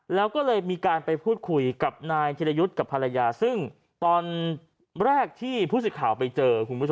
แล้วก็เลยมีการไปพูดคุยกับนายธิรยุทธ์กับภรรยาซึ่งตอนแรกที่ผู้สิทธิ์ข่าวไปเจอคุณผู้ชม